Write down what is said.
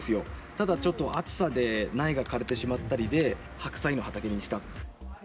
ただちょっと暑さで苗が枯れてしまったりで、白菜の畑にした。